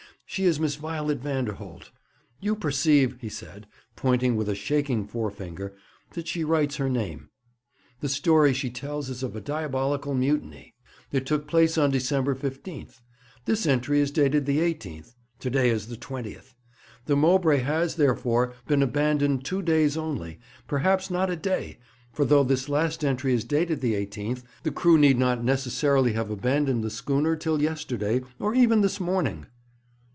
She is Miss Violet Vanderholt. You perceive,' he said, pointing with a shaking forefinger, 'that she writes her name. The story she tells is of a diabolical mutiny. It took place on December 15. This entry is dated the 18th; to day is the 20th. The Mowbray has, therefore, been abandoned two days only, perhaps not a day, for though this last entry is dated the 18th, the crew need not necessarily have abandoned the schooner till yesterday, or even this morning.'